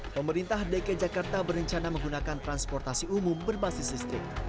pemerintah dki jakarta berencana menggunakan transportasi umum berbasis listrik